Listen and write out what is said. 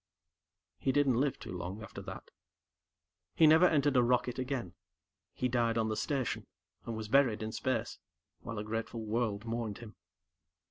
_" He didn't live too long after that. He never entered a rocket again he died on the Station, and was buried in space, while a grateful world mourned him.